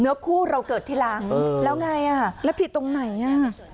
คู่เราเกิดทีหลังแล้วไงอ่ะแล้วผิดตรงไหนอ่ะ